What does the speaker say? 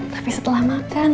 tapi setelah makan